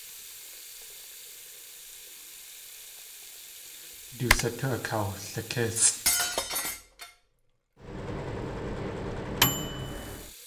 Du satú akawlikísʼ.